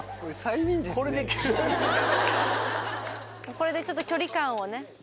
これでちょっと距離感をね。